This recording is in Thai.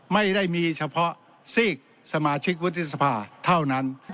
ไม่ได้มีเฉพาะซีกสมาชิกวุฒิสภาเท่านั้น